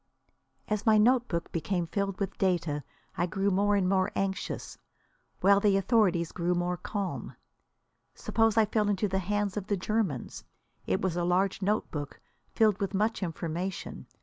As my notebook became filled with data I grew more and more anxious, while the authorities grew more calm. Suppose I fell into the hands of the Germans! It was a large notebook, filled with much information.